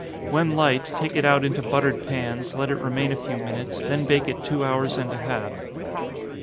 When light, take it out into buttered pans, let it remain a few minutes, then bake it two hours and a half.